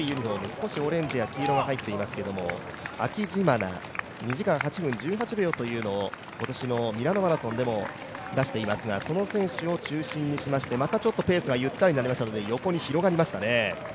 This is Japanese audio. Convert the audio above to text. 少しオレンジや黄色が入っていますけれども、アキジマナ、２時間８分１８秒というのを今年のミラノマラソンでも出していますが、その選手を中心にしましてまたちょっとペースがゆったりとなりましたので、横に広がりましたね。